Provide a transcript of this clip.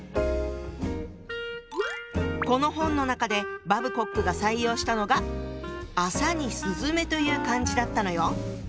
この本の中でバブコックが採用したのが「麻」に「雀」という漢字だったのよ。